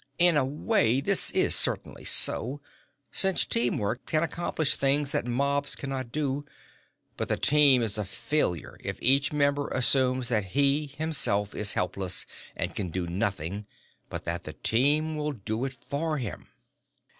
In a way, this is certainly so, since teamwork can accomplish things that mobs cannot do. But the Team is a failure if each member assumes that he, himself, is helpless and can do nothing, but that the Team will do it for him.